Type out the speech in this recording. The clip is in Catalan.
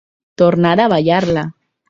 Tornar a ballar-la.